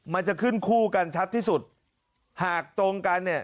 มันจะขึ้นคู่กันชัดที่สุดหากตรงกันเนี่ย